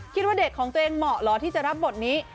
คิดว่าเด็กของตัวเองเหมาะเหรอที่จะรับบทนี้